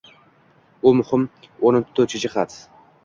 U muhim o‘rin tutuvchi jihat.